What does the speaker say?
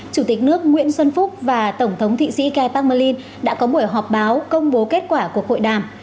chủ tịch nước nguyễn xuân phúc và tổng thống thụy sĩ kai pagmelin đã có buổi họp báo công bố kết quả của hội đàm